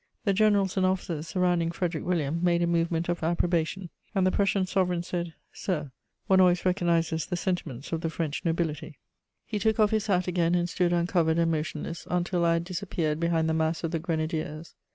The generals and officers surrounding Frederic William made a movement of approbation, and the Prussian sovereign said: "Sir, one always recognises the sentiments of the French nobility." He took off his hat again and stood uncovered and motionless, until I had disappeared behind the mass of the grenadiers.